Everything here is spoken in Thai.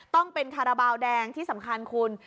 ต้องเป็นคาราบาลแดงที่สำคัญคุณ